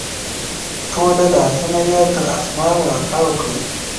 ټوله لاسونه یې تر اسمان راتاو کړل